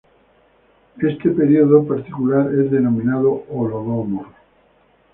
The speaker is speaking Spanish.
Este período particular es denominado "Holodomor".